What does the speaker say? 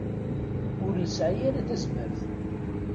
Ur nesɛi ara tazmert.